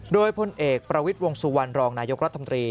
โดยพลเอกประวิทย์วงสุวรรณรองนายกรัฐมนตรี